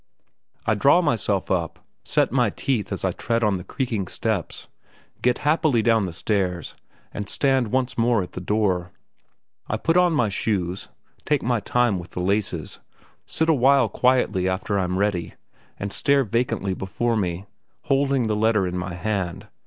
I draw myself up, set my teeth as I tread on the creaking steps, get happily down the stairs, and stand once more at the door. I put on my shoes, take my time with the laces, sit a while quietly after I'm ready, and stare vacantly before me, holding the letter in my hand.